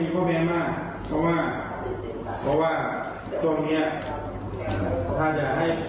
ก็ต้องให้ความลงมือ